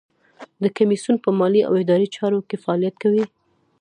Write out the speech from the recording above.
د کمیسیون په مالي او اداري چارو کې فعالیت کوي.